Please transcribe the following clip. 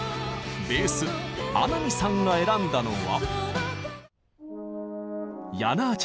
ベース穴見さんが選んだのは。